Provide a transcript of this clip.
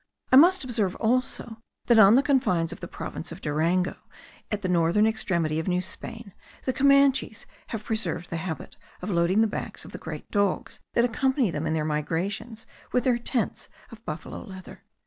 I must observe, also, that on the confines of the province of Durango, at the northern extremity of New Spain, the Comanches have preserved the habit of loading the backs of the great dogs that accompany them in their migrations with their tents of buffalo leather.